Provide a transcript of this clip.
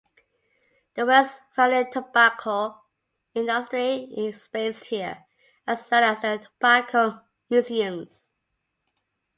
The Westphalian tobacco industry is based here, as well as the tobacco museums.